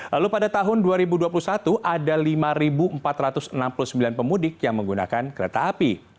lalu pada tahun dua ribu dua puluh satu ada lima empat ratus enam puluh sembilan pemudik yang menggunakan kereta api